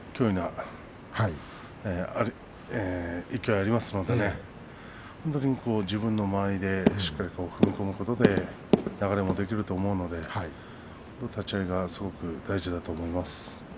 勢いがありますから自分の間合いでしっかり踏み込むことで流れを持っていくことができると思うので立ち合いが大事だと思いますね。